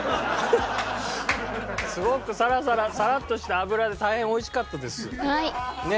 すごくサラサラサラッとした脂で大変美味しかったです。